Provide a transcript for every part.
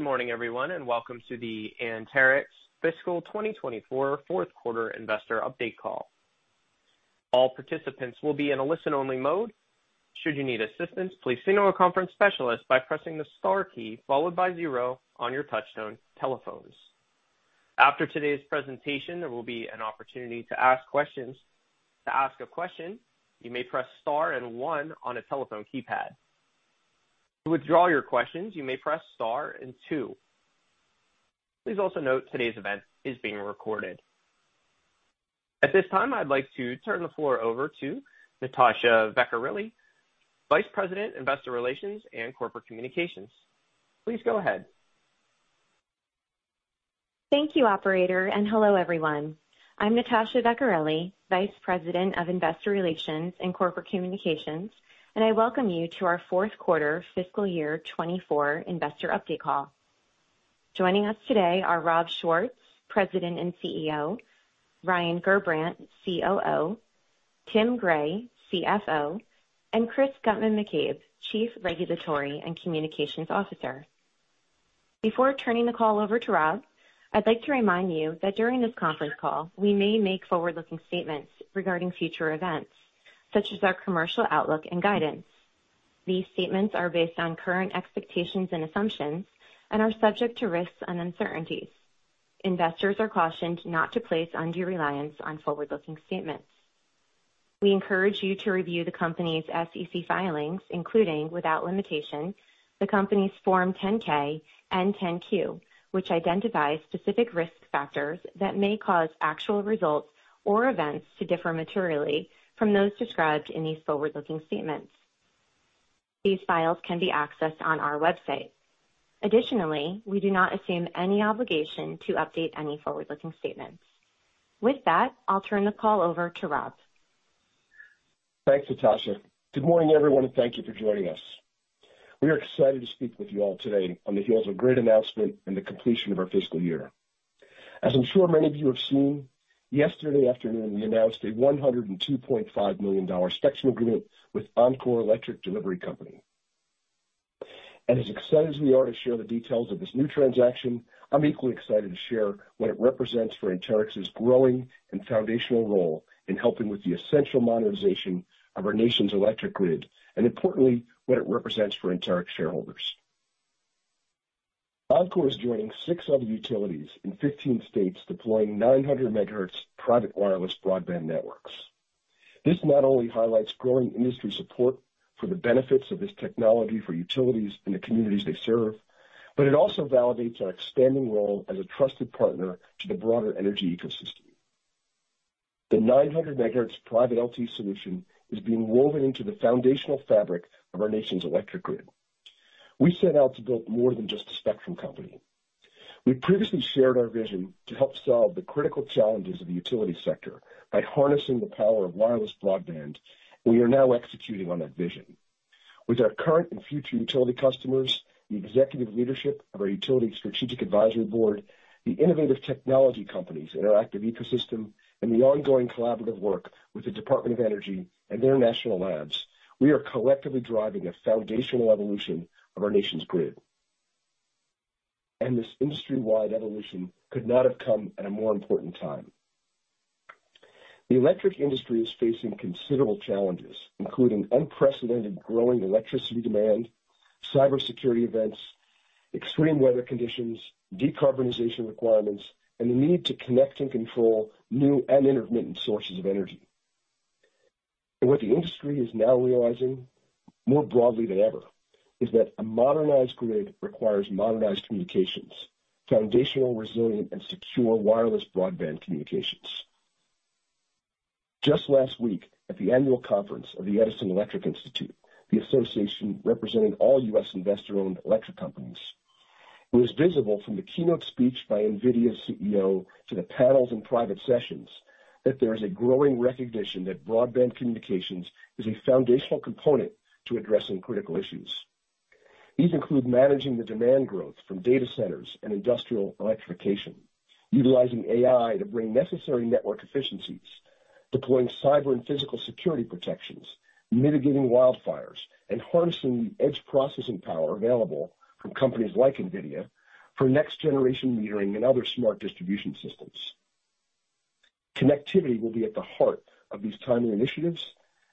Good morning, everyone, and welcome to the Anterix Fiscal 2024 Fourth Quarter Investor Update Call. All participants will be in a listen-only mode. Should you need assistance, please signal a conference specialist by pressing the star key followed by zero on your touch-tone telephones. After today's presentation, there will be an opportunity to ask questions. To ask a question, you may press star and one on a telephone keypad. To withdraw your questions, you may press star and two. Please also note today's event is being recorded. At this time, I'd like to turn the floor over to Natasha Vecchiarelli, Vice President, Investor Relations and Corporate Communications. Please go ahead. Thank you, Operator. Hello, everyone. I'm Natasha Vecchiarelli, Vice President of Investor Relations and Corporate Communications, and I welcome you to our Fourth Quarter Fiscal Year 2024 Investor Update Call. Joining us today are Rob Schwartz, President and CEO; Ryan Gerbrandt, COO; Tim Gray, CFO; and Chris Guttman-McCabe, Chief Regulatory and Communications Officer. Before turning the call over to Rob, I'd like to remind you that during this conference call, we may make forward-looking statements regarding future events, such as our commercial outlook and guidance. These statements are based on current expectations and assumptions and are subject to risks and uncertainties. Investors are cautioned not to place undue reliance on forward-looking statements. We encourage you to review the company's SEC filings, including without limitation, the company's Form 10-K and 10-Q, which identify specific risk factors that may cause actual results or events to differ materially from those described in these forward-looking statements. These files can be accessed on our website. Additionally, we do not assume any obligation to update any forward-looking statements. With that, I'll turn the call over to Rob. Thanks, Natasha. Good morning, everyone, and thank you for joining us. We are excited to speak with you all today on the heels of a great announcement and the completion of our fiscal year. As I'm sure many of you have seen, yesterday afternoon, we announced a $102.5 million spectrum agreement with Oncor Electric Delivery Company. And as excited as we are to share the details of this new transaction, I'm equally excited to share what it represents for Anterix's growing and foundational role in helping with the essential modernization of our nation's electric grid, and importantly, what it represents for Anterix shareholders. Oncor is joining six other utilities in 15 states, deploying 900 megahertz private wireless broadband networks. This not only highlights growing industry support for the benefits of this technology for utilities and the communities they serve, but it also validates our expanding role as a trusted partner to the broader energy ecosystem. The 900 MHz private LTE solution is being woven into the foundational fabric of our nation's electric grid. We set out to build more than just a spectrum company. We previously shared our vision to help solve the critical challenges of the utility sector by harnessing the power of wireless broadband, and we are now executing on that vision. With our current and future utility customers, the executive leadership of our utility strategic advisory board, the innovative technology companies in our active ecosystem, and the ongoing collaborative work with the Department of Energy and their national labs, we are collectively driving a foundational evolution of our nation's grid. This industry-wide evolution could not have come at a more important time. The electric industry is facing considerable challenges, including unprecedented growing electricity demand, cybersecurity events, extreme weather conditions, decarbonization requirements, and the need to connect and control new and intermittent sources of energy. What the industry is now realizing, more broadly than ever, is that a modernized grid requires modernized communications, foundational, resilient, and secure wireless broadband communications. Just last week, at the annual conference of the Edison Electric Institute, the association representing all U.S. investor-owned electric companies, it was visible from the keynote speech by NVIDIA's CEO to the panels and private sessions that there is a growing recognition that broadband communications is a foundational component to addressing critical issues. These include managing the demand growth from data centers and industrial electrification, utilizing AI to bring necessary network efficiencies, deploying cyber and physical security protections, mitigating wildfires, and harnessing the edge processing power available from companies like NVIDIA for next-generation metering and other smart distribution systems. Connectivity will be at the heart of these timely initiatives,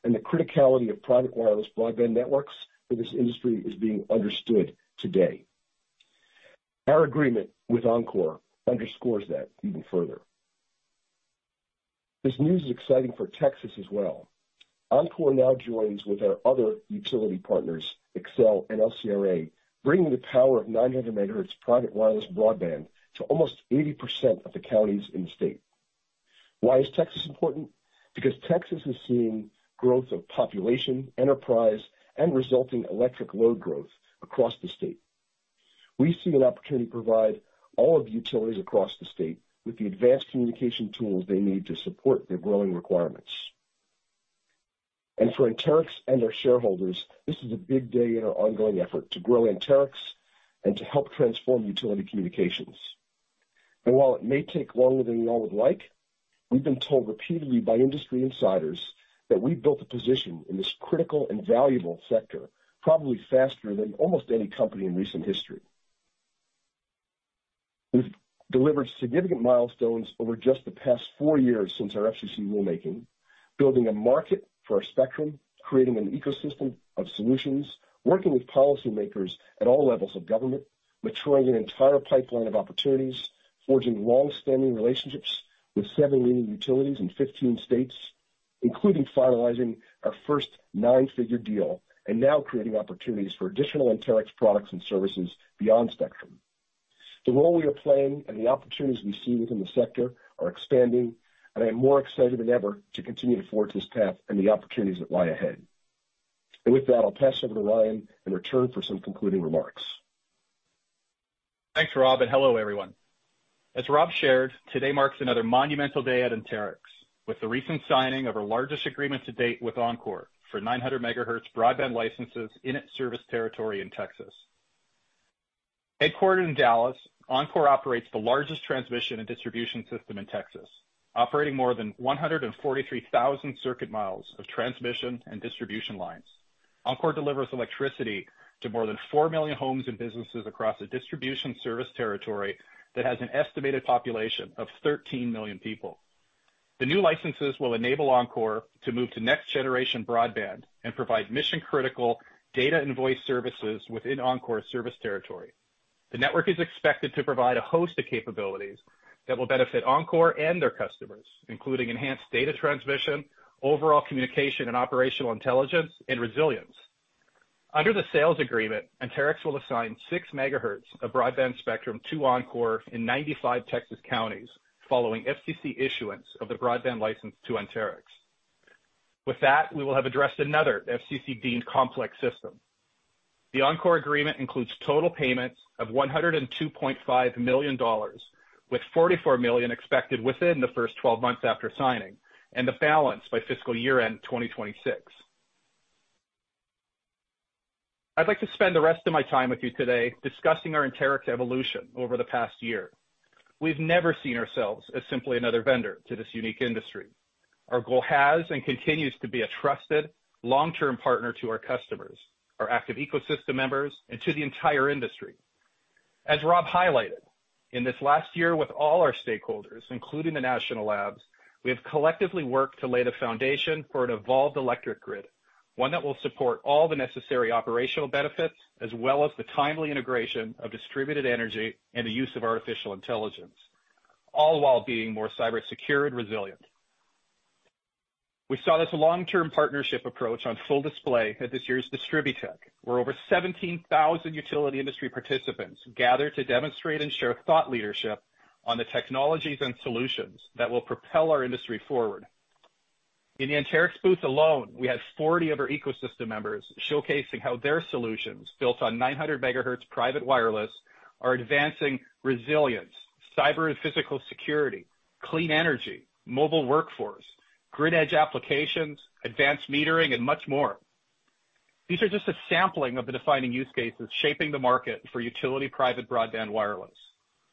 and the criticality of private wireless broadband networks for this industry is being understood today. Our agreement with Oncor underscores that even further. This news is exciting for Texas as well. Oncor now joins with our other utility partners, Xcel and LCRA, bringing the power of 900 megahertz private wireless broadband to almost 80% of the counties in the state. Why is Texas important? Because Texas is seeing growth of population, enterprise, and resulting electric load growth across the state. We see an opportunity to provide all of the utilities across the state with the advanced communication tools they need to support their growing requirements. For Anterix and our shareholders, this is a big day in our ongoing effort to grow Anterix and to help transform utility communications. While it may take longer than we all would like, we've been told repeatedly by industry insiders that we've built a position in this critical and valuable sector probably faster than almost any company in recent history. We've delivered significant milestones over just the past four years since our FCC rulemaking, building a market for our spectrum, creating an ecosystem of solutions, working with policymakers at all levels of government, maturing an entire pipeline of opportunities, forging longstanding relationships with 7 leading utilities in 15 states, including finalizing our first nine-figure deal, and now creating opportunities for additional Anterix products and services beyond spectrum. The role we are playing and the opportunities we see within the sector are expanding, and I am more excited than ever to continue to forge this path and the opportunities that lie ahead. With that, I'll pass it over to Ryan and return for some concluding remarks. Thanks, Rob, and hello, everyone. As Rob shared, today marks another monumental day at Anterix with the recent signing of our largest agreement to date with Oncor for 900 megahertz broadband licenses in its service territory in Texas. Headquartered in Dallas, Oncor operates the largest transmission and distribution system in Texas, operating more than 143,000 circuit miles of transmission and distribution lines. Oncor delivers electricity to more than 4 million homes and businesses across a distribution service territory that has an estimated population of 13 million people. The new licenses will enable Oncor to move to next-generation broadband and provide mission-critical data and voice services within Oncor's service territory. The network is expected to provide a host of capabilities that will benefit Oncor and their customers, including enhanced data transmission, overall communication and operational intelligence, and resilience. Under the sales agreement, Anterix will assign 6 megahertz of broadband spectrum to Oncor in 95 Texas counties following FCC issuance of the broadband license to Anterix. With that, we will have addressed another FCC-deemed complex system. The Oncor agreement includes total payments of $102.5 million, with $44 million expected within the first 12 months after signing and the balance by fiscal year-end 2026. I'd like to spend the rest of my time with you today discussing our Anterix evolution over the past year. We've never seen ourselves as simply another vendor to this unique industry. Our goal has and continues to be a trusted, long-term partner to our customers, our active ecosystem members, and to the entire industry. As Rob highlighted, in this last year with all our stakeholders, including the national labs, we have collectively worked to lay the foundation for an evolved electric grid, one that will support all the necessary operational benefits as well as the timely integration of distributed energy and the use of artificial intelligence, all while being more cybersecure and resilient. We saw this long-term partnership approach on full display at this year's DISTRIBUTECH, where over 17,000 utility industry participants gathered to demonstrate and share thought leadership on the technologies and solutions that will propel our industry forward. In the Anterix booth alone, we had 40 of our ecosystem members showcasing how their solutions built on 900 megahertz private wireless are advancing resilience, cyber and physical security, clean energy, mobile workforce, grid-edge applications, advanced metering, and much more. These are just a sampling of the defining use cases shaping the market for utility private broadband wireless.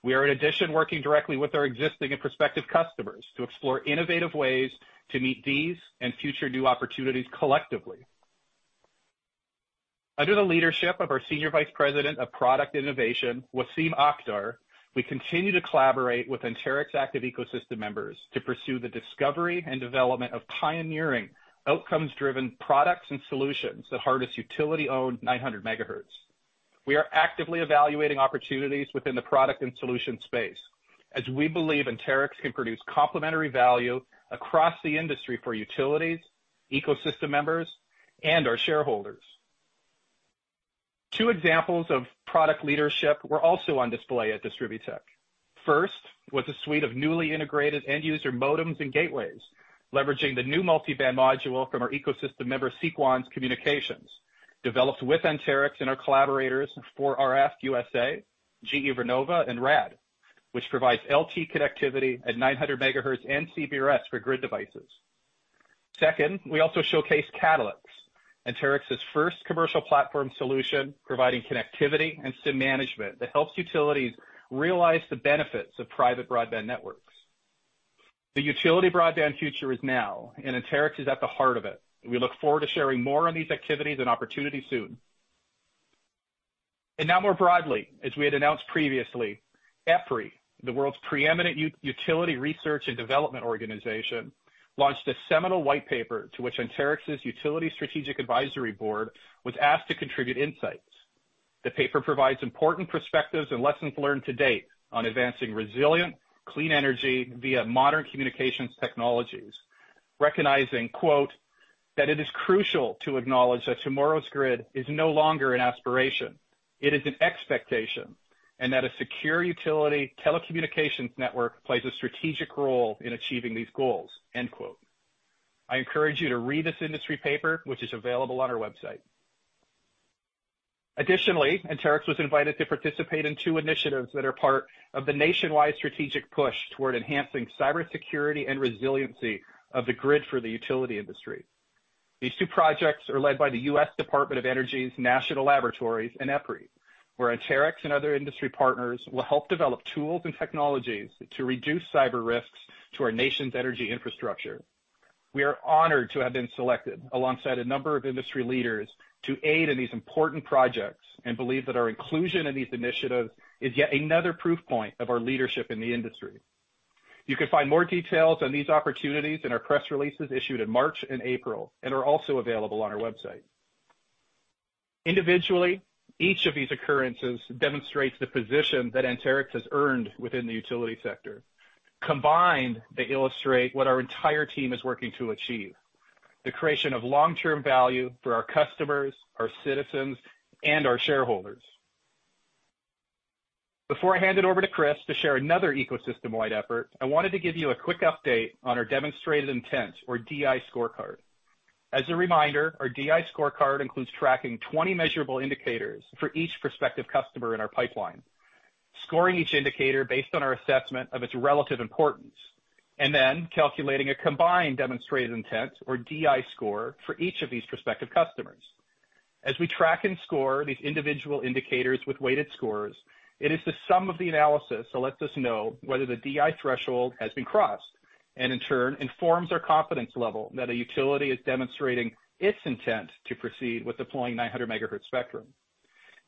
We are, in addition, working directly with our existing and prospective customers to explore innovative ways to meet these and future new opportunities collectively. Under the leadership of our Senior Vice President of Product Innovation, Waseem Akhtar, we continue to collaborate with Anterix active ecosystem members to pursue the discovery and development of pioneering outcomes-driven products and solutions that harness utility-owned 900 megahertz. We are actively evaluating opportunities within the product and solution space as we believe Anterix can produce complementary value across the industry for utilities, ecosystem members, and our shareholders. Two examples of product leadership were also on display at DISTRIBUTECH. First was a suite of newly integrated end-user modems and gateways, leveraging the new multi-band module from our ecosystem member, Sequans Communications, developed with Anterix and our collaborators 4RF USA, GE Vernova, and RAD, which provides LTE connectivity at 900 megahertz and CBRS for grid devices. Second, we also showcased CatalyX, Anterix's first commercial platform solution, providing connectivity and SIM management that helps utilities realize the benefits of private broadband networks. The utility broadband future is now, and Anterix is at the heart of it. We look forward to sharing more on these activities and opportunities soon. And now, more broadly, as we had announced previously, EPRI, the world's preeminent utility research and development organization, launched a seminal white paper to which Anterix's utility strategic advisory board was asked to contribute insights. The paper provides important perspectives and lessons learned to date on advancing resilient, clean energy via modern communications technologies, recognizing, quote, "That it is crucial to acknowledge that tomorrow's grid is no longer an aspiration. It is an expectation, and that a secure utility telecommunications network plays a strategic role in achieving these goals," end quote. I encourage you to read this industry paper, which is available on our website. Additionally, Anterix was invited to participate in two initiatives that are part of the nationwide strategic push toward enhancing cybersecurity and resiliency of the grid for the utility industry. These two projects are led by the U.S. Department of Energy's National Laboratories and EPRI, where Anterix and other industry partners will help develop tools and technologies to reduce cyber risks to our nation's energy infrastructure. We are honored to have been selected alongside a number of industry leaders to aid in these important projects and believe that our inclusion in these initiatives is yet another proof point of our leadership in the industry. You can find more details on these opportunities in our press releases issued in March and April, and are also available on our website. Individually, each of these occurrences demonstrates the position that Anterix has earned within the utility sector. Combined, they illustrate what our entire team is working to achieve: the creation of long-term value for our customers, our citizens, and our shareholders. Before I hand it over to Chris to share another ecosystem-wide effort, I wanted to give you a quick update on our demonstrated intent, or DI scorecard. As a reminder, our DI scorecard includes tracking 20 measurable indicators for each prospective customer in our pipeline, scoring each indicator based on our assessment of its relative importance, and then calculating a combined demonstrated intent, or DI score, for each of these prospective customers. As we track and score these individual indicators with weighted scores, it is the sum of the analysis that lets us know whether the DI threshold has been crossed and, in turn, informs our confidence level that a utility is demonstrating its intent to proceed with deploying 900 megahertz spectrum.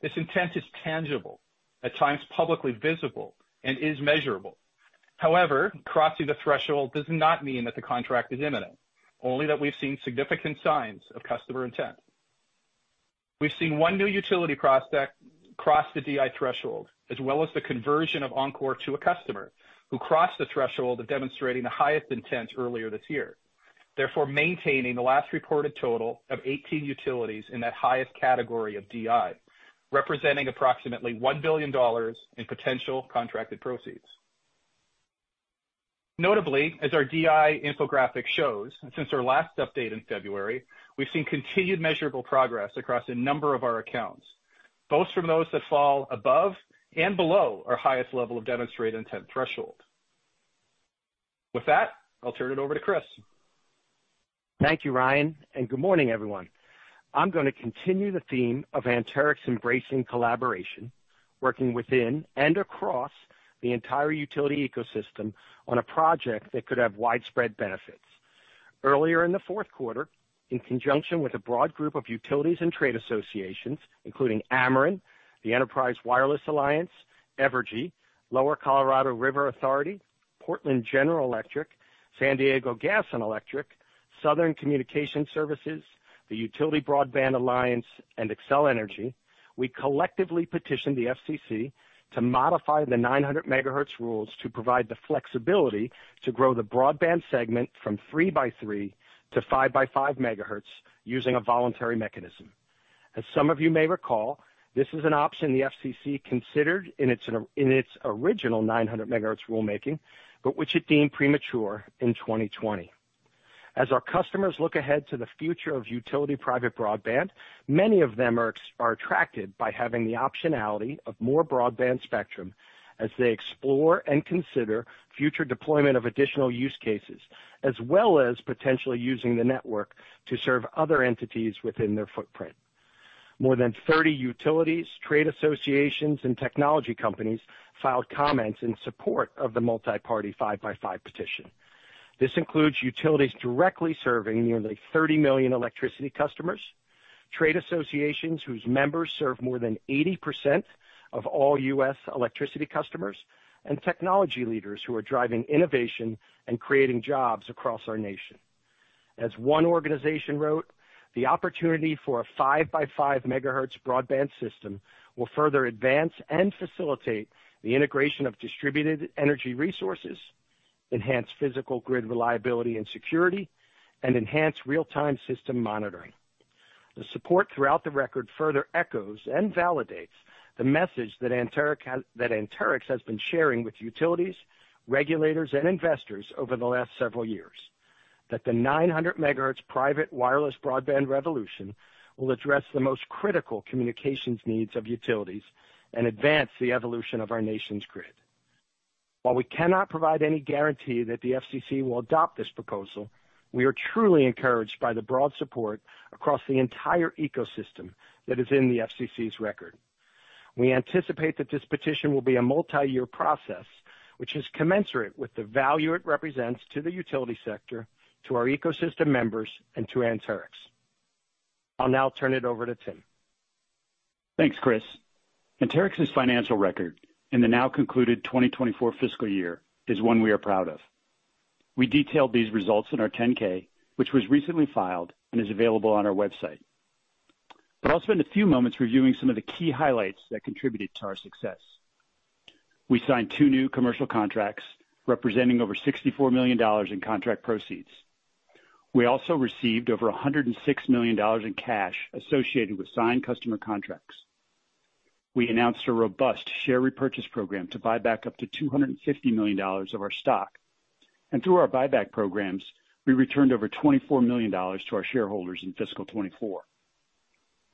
This intent is tangible, at times publicly visible, and is measurable. However, crossing the threshold does not mean that the contract is imminent, only that we've seen significant signs of customer intent. We've seen one new utility prospect cross the DI threshold, as well as the conversion of Oncor to a customer who crossed the threshold of demonstrating the highest intent earlier this year, therefore maintaining the last reported total of 18 utilities in that highest category of DI, representing approximately $1 billion in potential contracted proceeds. Notably, as our DI infographic shows, since our last update in February, we've seen continued measurable progress across a number of our accounts, both from those that fall above and below our highest level of demonstrated intent threshold. With that, I'll turn it over to Chris. Thank you, Ryan, and good morning, everyone. I'm going to continue the theme of Anterix embracing collaboration, working within and across the entire utility ecosystem on a project that could have widespread benefits. Earlier in the fourth quarter, in conjunction with a broad group of utilities and trade associations, including Ameren, the Enterprise Wireless Alliance, Evergy, Lower Colorado River Authority, Portland General Electric, San Diego Gas and Electric, Southern Communications Services, the Utilities Broadband Alliance, and Xcel Energy, we collectively petitioned the FCC to modify the 900 megahertz rules to provide the flexibility to grow the broadband segment from 3x3 to 5x5 megahertz using a voluntary mechanism. As some of you may recall, this is an option the FCC considered in its original 900 megahertz rulemaking, but which it deemed premature in 2020. As our customers look ahead to the future of utility private broadband, many of them are attracted by having the optionality of more broadband spectrum as they explore and consider future deployment of additional use cases, as well as potentially using the network to serve other entities within their footprint. More than 30 utilities, trade associations, and technology companies filed comments in support of the multi-party 5x5 petition. This includes utilities directly serving nearly 30 million electricity customers, trade associations whose members serve more than 80% of all U.S. electricity customers, and technology leaders who are driving innovation and creating jobs across our nation. As one organization wrote, "The opportunity for a 5x5 megahertz broadband system will further advance and facilitate the integration of distributed energy resources, enhance physical grid reliability and security, and enhance real-time system monitoring." The support throughout the record further echoes and validates the message that Anterix has been sharing with utilities, regulators, and investors over the last several years: that the 900 megahertz private wireless broadband revolution will address the most critical communications needs of utilities and advance the evolution of our nation's grid. While we cannot provide any guarantee that the FCC will adopt this proposal, we are truly encouraged by the broad support across the entire ecosystem that is in the FCC's record. We anticipate that this petition will be a multi-year process, which is commensurate with the value it represents to the utility sector, to our ecosystem members, and to Anterix. I'll now turn it over to Tim. Thanks, Chris. Anterix's financial record in the now-concluded 2024 fiscal year is one we are proud of. We detailed these results in our 10-K, which was recently filed and is available on our website. But I'll spend a few moments reviewing some of the key highlights that contributed to our success. We signed two new commercial contracts representing over $64 million in contract proceeds. We also received over $106 million in cash associated with signed customer contracts. We announced a robust share repurchase program to buy back up to $250 million of our stock. And through our buyback programs, we returned over $24 million to our shareholders in fiscal 2024.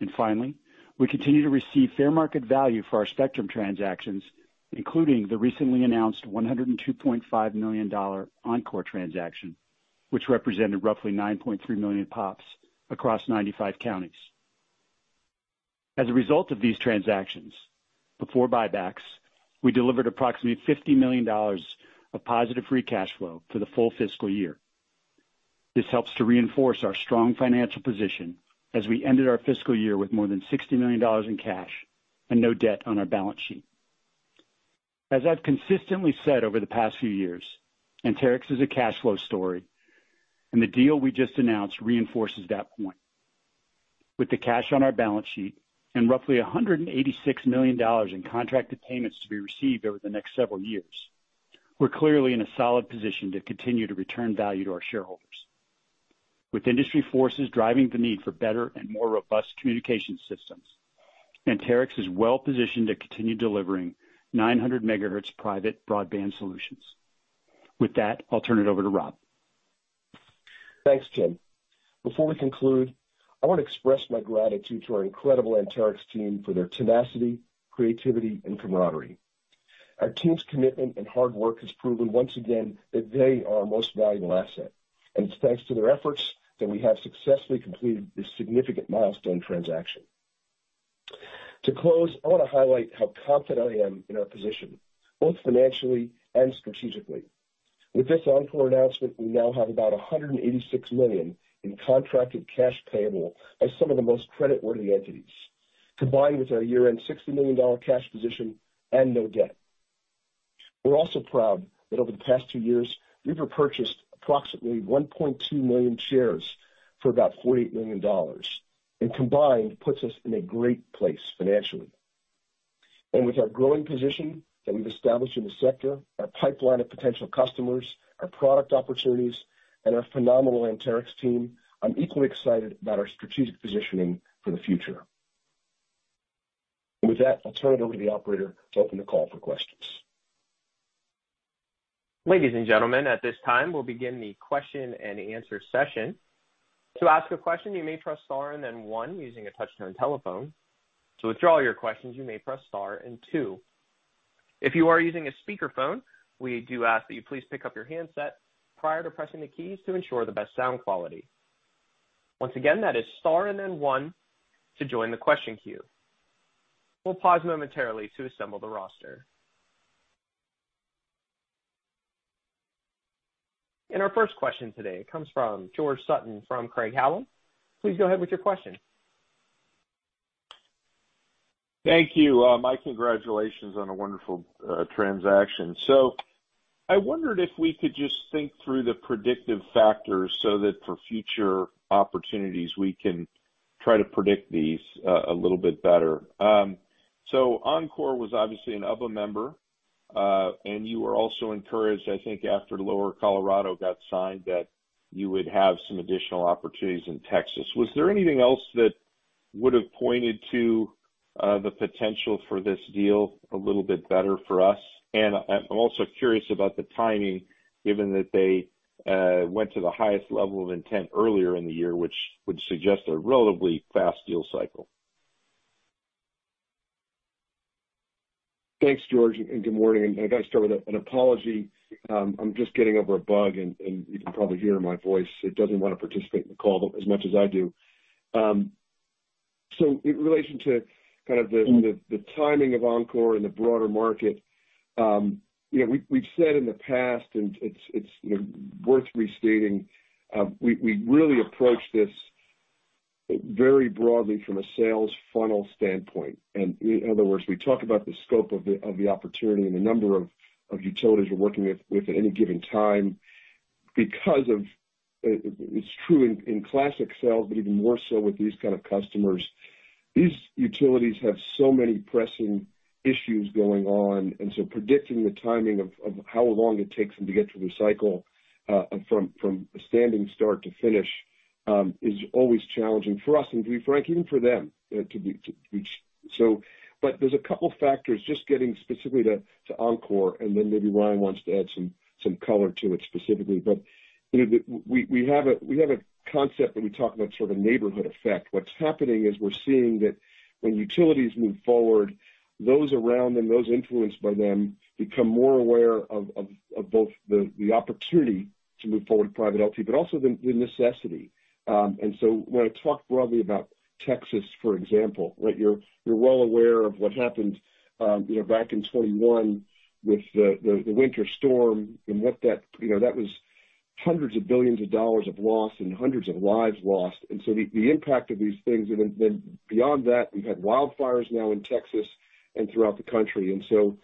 And finally, we continue to receive fair market value for our spectrum transactions, including the recently announced $102.5 million Oncor transaction, which represented roughly 9.3 million pops across 95 counties. As a result of these transactions, before buybacks, we delivered approximately $50 million of positive free cash flow for the full fiscal year. This helps to reinforce our strong financial position as we ended our fiscal year with more than $60 million in cash and no debt on our balance sheet. As I've consistently said over the past few years, Anterix is a cash flow story, and the deal we just announced reinforces that point. With the cash on our balance sheet and roughly $186 million in contracted payments to be received over the next several years, we're clearly in a solid position to continue to return value to our shareholders. With industry forces driving the need for better and more robust communication systems, Anterix is well positioned to continue delivering 900 megahertz private broadband solutions. With that, I'll turn it over to Rob. Thanks, Tim. Before we conclude, I want to express my gratitude to our incredible Anterix team for their tenacity, creativity, and camaraderie. Our team's commitment and hard work has proven once again that they are our most valuable asset, and it's thanks to their efforts that we have successfully completed this significant milestone transaction. To close, I want to highlight how confident I am in our position, both financially and strategically. With this Oncor announcement, we now have about $186 million in contracted cash payable by some of the most creditworthy entities, combined with our year-end $60 million cash position and no debt. We're also proud that over the past 2 years, we've repurchased approximately 1.2 million shares for about $48 million, and combined puts us in a great place financially. And with our growing position that we've established in the sector, our pipeline of potential customers, our product opportunities, and our phenomenal Anterix team, I'm equally excited about our strategic positioning for the future. And with that, I'll turn it over to the operator to open the call for questions. Ladies and gentlemen, at this time, we'll begin the question-and-answer session. To ask a question, you may press star and then one using a touch-tone telephone. To withdraw your questions, you may press star and two. If you are using a speakerphone, we do ask that you please pick up your handset prior to pressing the keys to ensure the best sound quality. Once again, that is star and then one to join the question queue. We'll pause momentarily to assemble the roster. Our first question today comes from George Sutton from Craig-Hallum. Please go ahead with your question. Thank you. My congratulations on a wonderful transaction. I wondered if we could just think through the predictive factors so that for future opportunities we can try to predict these a little bit better. Oncor was obviously one of our members, and you were also encouraged, I think, after Lower Colorado got signed, that you would have some additional opportunities in Texas. Was there anything else that would have pointed to the potential for this deal a little bit better for us? And I'm also curious about the timing, given that they went to the highest level of intent earlier in the year, which would suggest a relatively fast deal cycle. Thanks, George, and good morning. I got to start with an apology. I'm just getting over a bug, and you can probably hear in my voice. It doesn't want to participate in the call as much as I do. In relation to kind of the timing of Oncor and the broader market, we've said in the past, and it's worth restating, we really approach this very broadly from a sales funnel standpoint. In other words, we talk about the scope of the opportunity and the number of utilities we're working with at any given time. Because of, it's true in classic sales, but even more so with these kind of customers, these utilities have so many pressing issues going on. Predicting the timing of how long it takes them to get through the cycle from a standing start to finish is always challenging for us, and to be frank, even for them. But there's a couple of factors, just getting specifically to Oncor, and then maybe Ryan wants to add some color to it specifically. But we have a concept that we talk about sort of a neighborhood effect. What's happening is we're seeing that when utilities move forward, those around them, those influenced by them, become more aware of both the opportunity to move forward with private LTE, but also the necessity. And so when I talk broadly about Texas, for example, you're well aware of what happened back in 2021 with the winter storm and what that, that was hundreds of billions of dollars of loss and hundreds of lives lost. And so the impact of these things, and then beyond that, we've had wildfires now in Texas and throughout the country. And so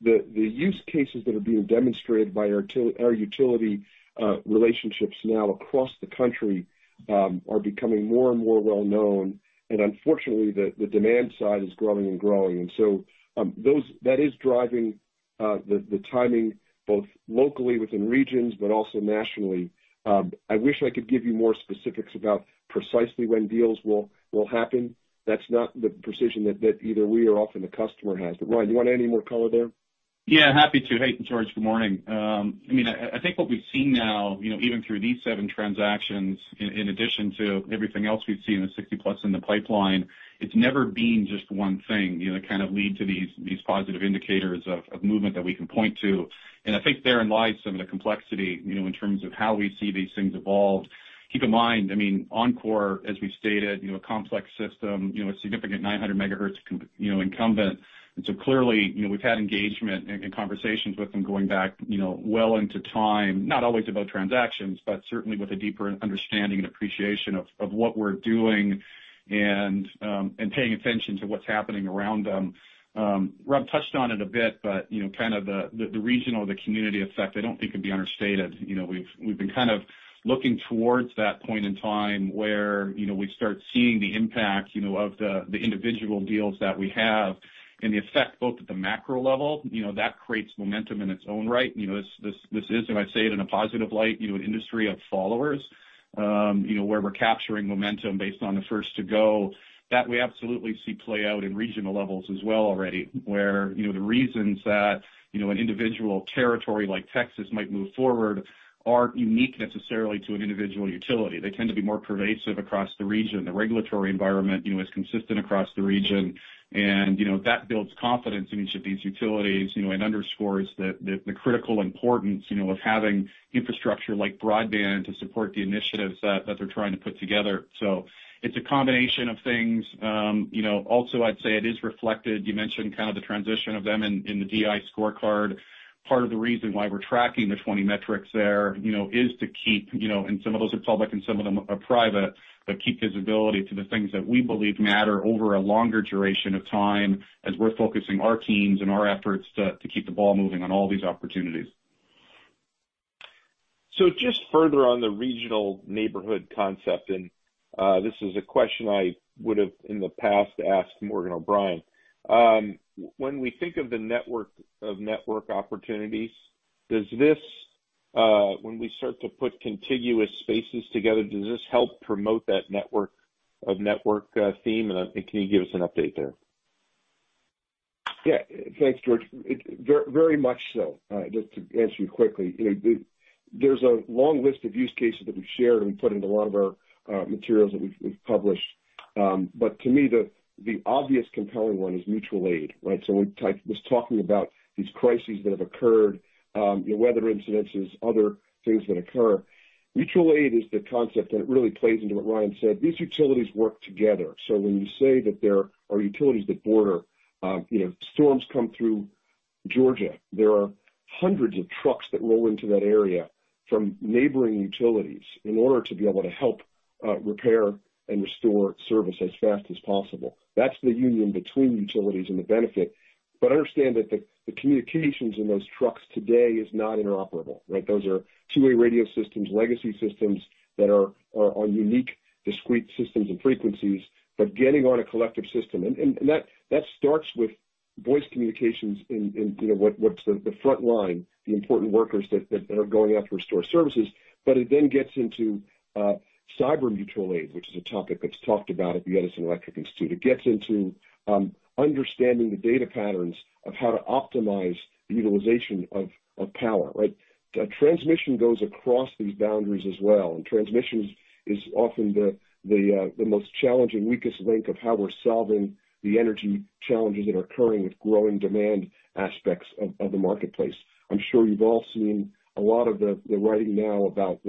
the use cases that are being demonstrated by our utility relationships now across the country are becoming more and more well-known. And unfortunately, the demand side is growing and growing. And so that is driving the timing both locally within regions, but also nationally. I wish I could give you more specifics about precisely when deals will happen. That's not the precision that either we or often the customer has. But Ryan, you want any more color there? Yeah, happy to. Hey, George, good morning. I mean, I think what we've seen now, even through these seven transactions, in addition to everything else we've seen in the 60-plus in the pipeline, it's never been just one thing that kind of leads to these positive indicators of movement that we can point to. I think therein lies some of the complexity in terms of how we see these things evolve. Keep in mind, I mean, Oncor, as we stated, a complex system, a significant 900 megahertz incumbent. So clearly, we've had engagement and conversations with them going back well into time, not always about transactions, but certainly with a deeper understanding and appreciation of what we're doing and paying attention to what's happening around them. Rob touched on it a bit, but kind of the regional or the community effect, I don't think could be understated. We've been kind of looking towards that point in time where we start seeing the impact of the individual deals that we have and the effect both at the macro level. That creates momentum in its own right. This is, if I say it in a positive light, an industry of followers where we're capturing momentum based on the first to go. That we absolutely see play out in regional levels as well already, where the reasons that an individual territory like Texas might move forward aren't unique necessarily to an individual utility. They tend to be more pervasive across the region. The regulatory environment is consistent across the region, and that builds confidence in each of these utilities and underscores the critical importance of having infrastructure like broadband to support the initiatives that they're trying to put together. So it's a combination of things. Also, I'd say it is reflected. You mentioned kind of the transition of them in the DI scorecard. Part of the reason why we're tracking the 20 metrics there is to keep visibility to the things that we believe matter over a longer duration of time as we're focusing our teams and our efforts to keep the ball moving on all these opportunities, and some of those are public and some of them are private. Just further on the regional neighborhood concept, and this is a question I would have in the past asked Morgan O’Brien. When we think of the network of network opportunities, does this, when we start to put contiguous spaces together, does this help promote that network of network theme? And can you give us an update there? Yeah, thanks, George. Very much so. Just to answer you quickly, there's a long list of use cases that we've shared and we've put into a lot of our materials that we've published. But to me, the obvious compelling one is mutual aid, right? So when we was talking about these crises that have occurred, weather incidents, other things that occur, mutual aid is the concept that really plays into what Ryan said. These utilities work together. So when you say that there are utilities that border, storms come through Georgia, there are hundreds of trucks that roll into that area from neighboring utilities in order to be able to help repair and restore service as fast as possible. That's the union between utilities and the benefit. But understand that the communications in those trucks today is not interoperable, right? Those are two-way radio systems, legacy systems that are on unique, discrete systems and frequencies, but getting on a collective system. And that starts with voice communications in what's the front line, the important workers that are going out to restore services. But it then gets into cyber mutual aid, which is a topic that's talked about at the Edison Electric Institute. It gets into understanding the data patterns of how to optimize the utilization of power, right? Transmission goes across these boundaries as well. And transmission is often the most challenging, weakest link of how we're solving the energy challenges that are occurring with growing demand aspects of the marketplace. I'm sure you've all seen a lot of the writing now about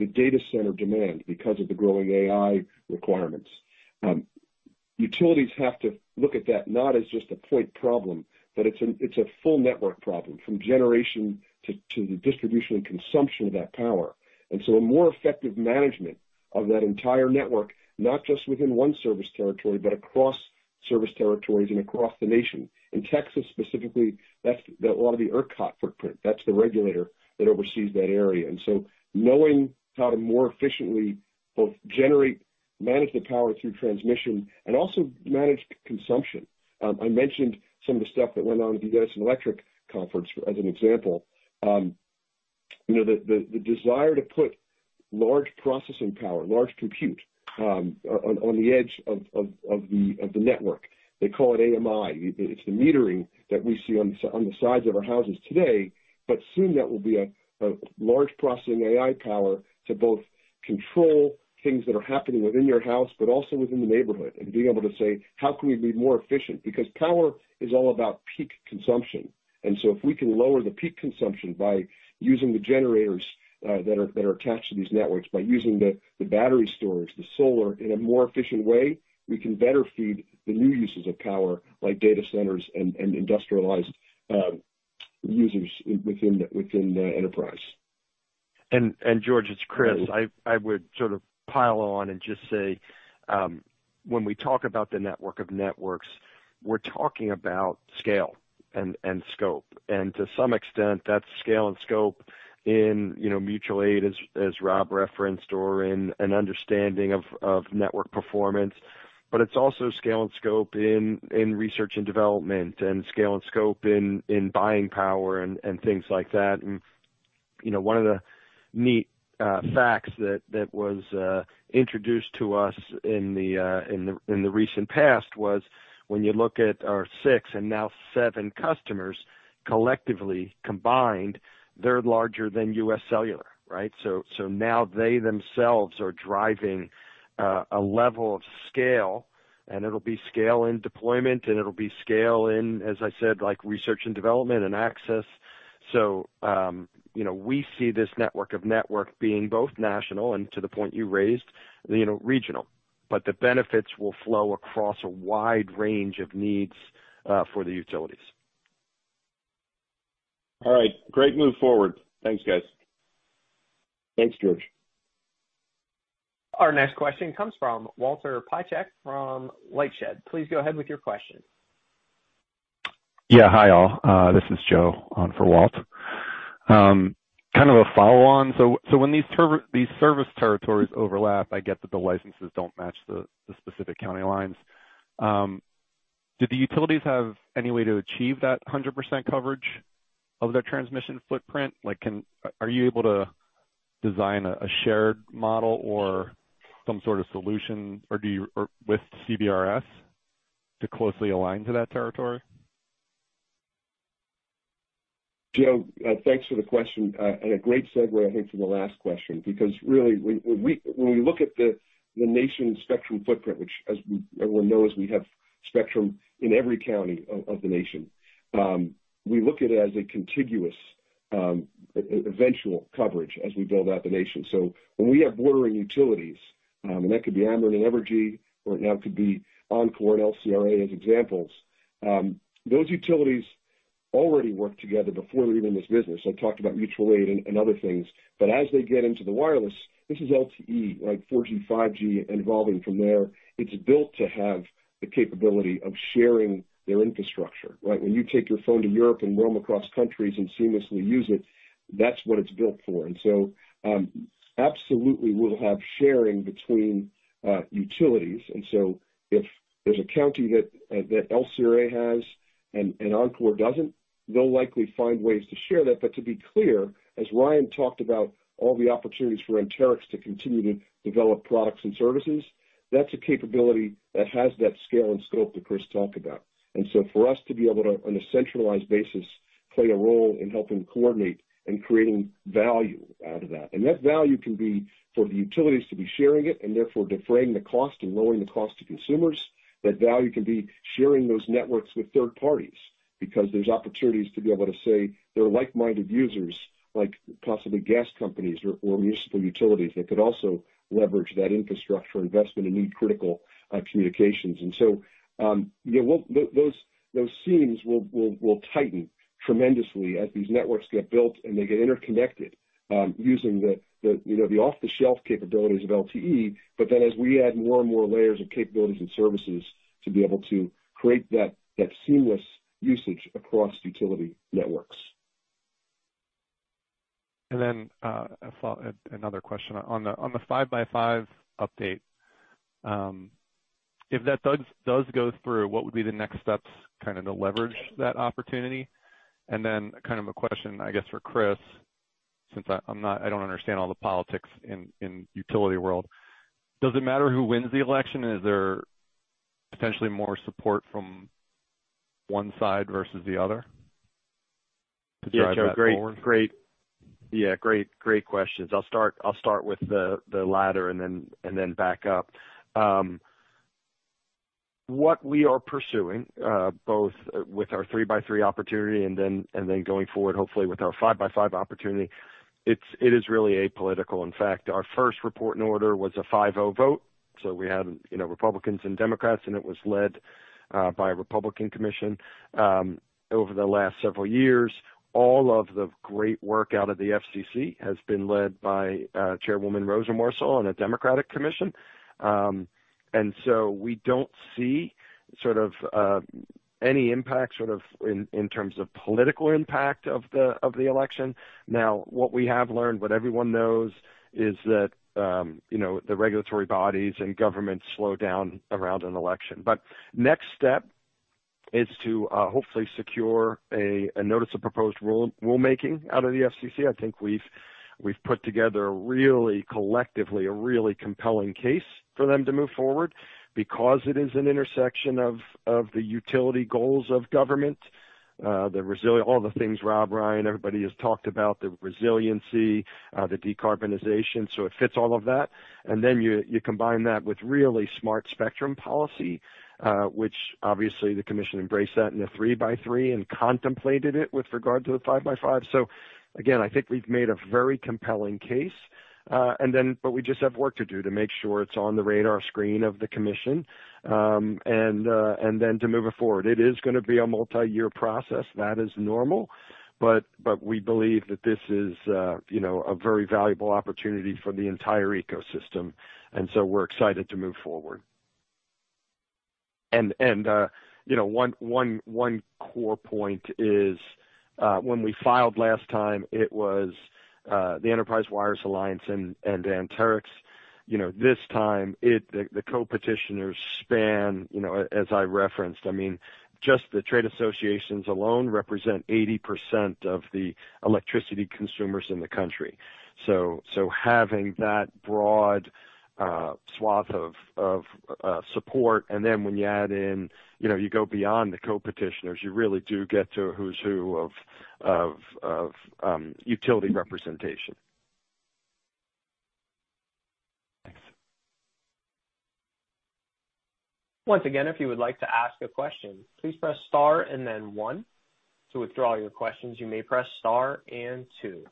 the data center demand because of the growing AI requirements. Utilities have to look at that not as just a point problem, but it's a full network problem from generation to the distribution and consumption of that power. And so a more effective management of that entire network, not just within one service territory, but across service territories and across the nation. In Texas specifically, that's a lot of the ERCOT footprint. That's the regulator that oversees that area. And so knowing how to more efficiently both generate, manage the power through transmission, and also manage consumption. I mentioned some of the stuff that went on at the Edison Electric Conference as an example. The desire to put large processing power, large compute on the edge of the network. They call it AMI. It's the metering that we see on the sides of our houses today, but soon that will be a large processing AI power to both control things that are happening within your house, but also within the neighborhood, and being able to say, "How can we be more efficient?" Because power is all about peak consumption. And so if we can lower the peak consumption by using the generators that are attached to these networks, by using the battery storage, the solar in a more efficient way, we can better feed the new uses of power like data centers and industrialized users within the enterprise. And George, it's Chris. I would sort of pile on and just say, when we talk about the network of networks, we're talking about scale and scope. And to some extent, that's scale and scope in mutual aid, as Rob referenced, or in an understanding of network performance. But it's also scale and scope in research and development, and scale and scope in buying power and things like that. And one of the neat facts that was introduced to us in the recent past was when you look at our 6 and now 7 customers collectively combined, they're larger than UScellular, right? So now they themselves are driving a level of scale, and it'll be scale in deployment, and it'll be scale in, as I said, like research and development and access. So we see this network of network being both national and, to the point you raised, regional. But the benefits will flow across a wide range of needs for the utilities. All right. Great move forward. Thanks, guys. Thanks, George. Our next question comes from Walter Piecyk from LightShed. Please go ahead with your question. Yeah, hi all. This is Joe on for Walt. Kind of a follow-on. So when these service territories overlap, I get that the licenses don't match the specific county lines. Do the utilities have any way to achieve that 100% coverage of their transmission footprint? Are you able to design a shared model or some sort of solution with CBRS to closely align to that territory? Joe, thanks for the question. And a great segue, I think, to the last question. Because really, when we look at the nation's spectrum footprint, which as everyone knows, we have spectrum in every county of the nation, we look at it as a contiguous eventual coverage as we build out the nation. So when we have bordering utilities, and that could be Ameren and Evergy, or now it could be Oncor and LCRA as examples, those utilities already work together before they're even in this business. I talked about mutual aid and other things. But as they get into the wireless, this is LTE, right? 4G, 5G evolving from there. It's built to have the capability of sharing their infrastructure, right? When you take your phone to Europe and roam across countries and seamlessly use it, that's what it's built for. And so absolutely we'll have sharing between utilities. And so if there's a county that LCRA has and Oncor doesn't, they'll likely find ways to share that. But to be clear, as Ryan talked about all the opportunities for Anterix to continue to develop products and services, that's a capability that has that scale and scope that Chris talked about. And so for us to be able to, on a centralized basis, play a role in helping coordinate and creating value out of that. And that value can be for the utilities to be sharing it and therefore defraying the cost and lowering the cost to consumers. That value can be sharing those networks with third parties because there's opportunities to be able to say there are like-minded users like possibly gas companies or municipal utilities that could also leverage that infrastructure investment and need critical communications. And so those seams will tighten tremendously as these networks get built and they get interconnected using the off-the-shelf capabilities of LTE. But then as we add more and more layers of capabilities and services to be able to create that seamless usage across utility networks. And then another question. On the 5x5 update, if those go through, what would be the next steps kind of to leverage that opportunity? And then kind of a question, I guess, for Chris, since I don't understand all the politics in the utility world. Does it matter who wins the election? Is there potentially more support from one side versus the other? Yeah, Joe, great. Yeah, great questions. I'll start with the latter and then back up. What we are pursuing, both with our 3x3 opportunity and then going forward, hopefully, with our 5x5 opportunity, it is really apolitical. In fact, our first Report and Order was a 5-0 vote. So we had Republicans and Democrats, and it was led by a Republican commission. Over the last several years, all of the great work out of the FCC has been led by Chairwoman Jessica Rosenworcel on a Democratic commission. And so we don't see sort of any impact sort of in terms of political impact of the election. Now, what we have learned, what everyone knows is that the regulatory bodies and governments slow down around an election. But next step is to hopefully secure a notice of proposed rulemaking out of the FCC. I think we've put together really collectively a really compelling case for them to move forward because it is an intersection of the utility goals of government, all the things Rob, Ryan, everybody has talked about, the resiliency, the decarbonization. So it fits all of that. And then you combine that with really smart spectrum policy, which obviously the commission embraced that in the 3x3 and contemplated it with regard to the 5x5. So again, I think we've made a very compelling case. But we just have work to do to make sure it's on the radar screen of the commission and then to move it forward. It is going to be a multi-year process. That is normal. But we believe that this is a very valuable opportunity for the entire ecosystem. And so we're excited to move forward. And one core point is when we filed last time, it was the Enterprise Wireless Alliance and Anterix. This time, the co-petitioners span, as I referenced, I mean, just the trade associations alone represent 80% of the electricity consumers in the country. So having that broad swath of support, and then when you add in, you go beyond the co-petitioners, you really do get to a who's who of utility representation. Thanks. Once again, if you would like to ask a question, please press star and then one. To withdraw your questions, you may press star and two.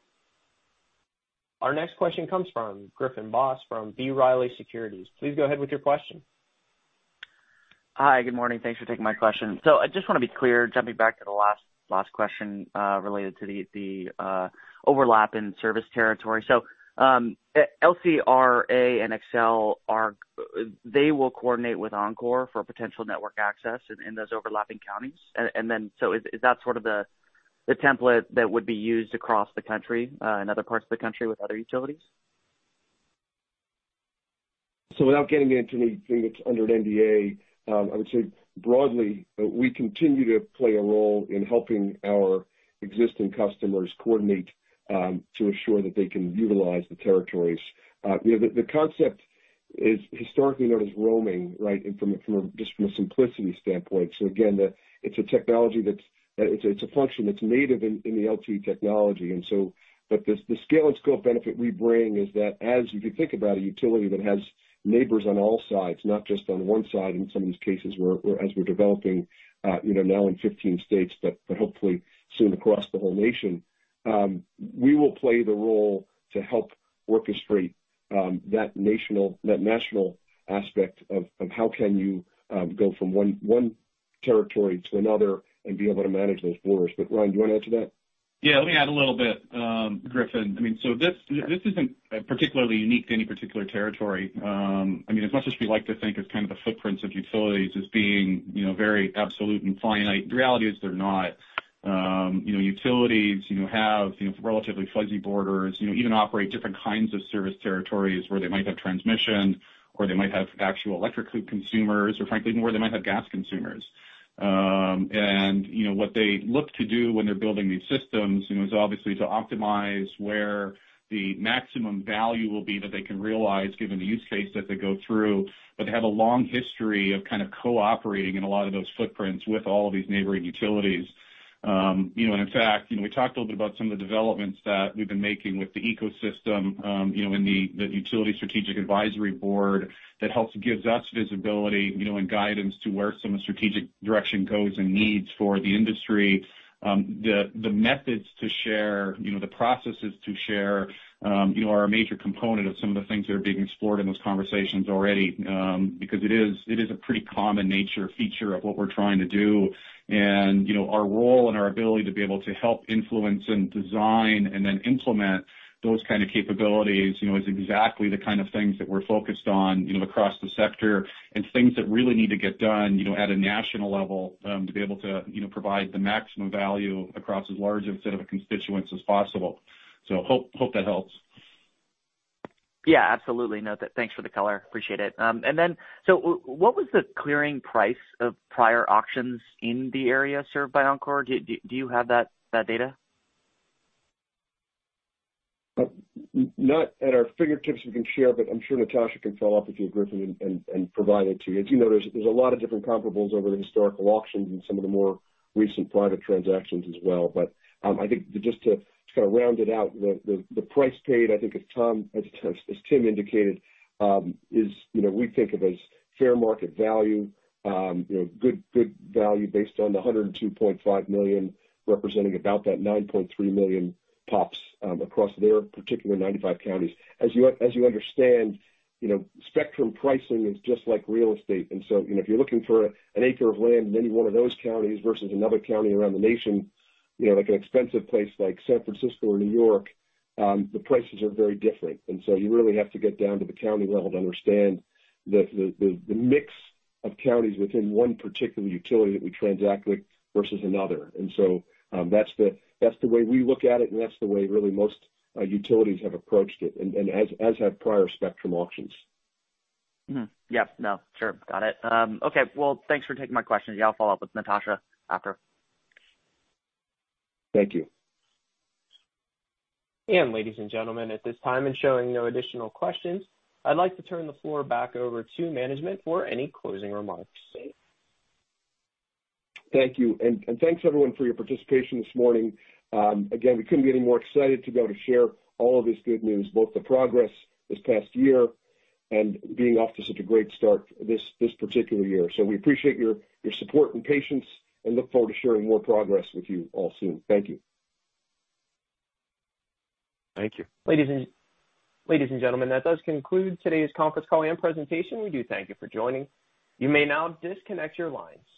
Our next question comes from Griffin Boss from B. Riley Securities. Please go ahead with your question. Hi, good morning. Thanks for taking my question. So I just want to be clear, jumping back to the last question related to the overlap in service territory. So LCRA and Xcel, they will coordinate with Oncor for potential network access in those overlapping counties. And then so is that sort of the template that would be used across the country and other parts of the country with other utilities? So without getting into anything that's under NDA, I would say broadly, we continue to play a role in helping our existing customers coordinate to assure that they can utilize the territories. The concept is historically known as roaming, right, from just a simplicity standpoint. So again, it's a function that's native in the LTE technology. And so the scale and scope benefit we bring is that as you can think about a utility that has neighbors on all sides, not just on one side in some of these cases as we're developing now in 15 states, but hopefully soon across the whole nation, we will play the role to help orchestrate that national aspect of how can you go from one territory to another and be able to manage those borders. But Ryan, do you want to add to that? Yeah, let me add a little bit, Griffin. I mean, so this isn't particularly unique to any particular territory. I mean, as much as we like to think of kind of the footprints of utilities as being very absolute and finite, the reality is they're not. Utilities have relatively fuzzy borders, even operate different kinds of service territories where they might have transmission, or they might have actual electric consumers, or frankly, where they might have gas consumers. And what they look to do when they're building these systems is obviously to optimize where the maximum value will be that they can realize given the use case that they go through. But they have a long history of kind of cooperating in a lot of those footprints with all of these neighboring utilities. In fact, we talked a little bit about some of the developments that we've been making with the ecosystem in the Utility Strategic Advisory Board that helps give us visibility and guidance to where some of the strategic direction goes and needs for the industry. The methods to share, the processes to share are a major component of some of the things that are being explored in those conversations already because it is a pretty common nature feature of what we're trying to do. Our role and our ability to be able to help influence and design and then implement those kinds of capabilities is exactly the kind of things that we're focused on across the sector and things that really need to get done at a national level to be able to provide the maximum value across as large of a set of constituents as possible. So hope that helps. Yeah, absolutely. Thanks for the color. Appreciate it. And then so what was the clearing price of prior auctions in the area served by Oncor? Do you have that data? Not at our fingertips we can share, but I'm sure Natasha can follow up with you, Griffin, and provide it to you. As you know, there's a lot of different comparables over the historical auctions and some of the more recent private transactions as well. But I think just to kind of round it out, the price paid, I think as Tom, as Tim indicated, is we think of as fair market value, good value based on the $102.5 million representing about that 9.3 million Pops across their particular 95 counties. As you understand, spectrum pricing is just like real estate. And so if you're looking for an acre of land in any one of those counties versus another county around the nation, like an expensive place like San Francisco or New York, the prices are very different. And so you really have to get down to the county level to understand the mix of counties within one particular utility that we transact with versus another. And so that's the way we look at it, and that's the way really most utilities have approached it, and as have prior spectrum auctions. Yep. No, sure. Got it. Okay. Well, thanks for taking my questions. Yeah, I'll follow up with Natasha after. Thank you. Ladies and gentlemen, at this time, and showing no additional questions, I'd like to turn the floor back over to management for any closing remarks. Thank you. Thanks, everyone, for your participation this morning. Again, we couldn't be any more excited to be able to share all of this good news, both the progress this past year and being off to such a great start this particular year. We appreciate your support and patience and look forward to sharing more progress with you all soon. Thank you. Thank you. Ladies and gentlemen, that does conclude today's conference call and presentation. We do thank you for joining. You may now disconnect your lines.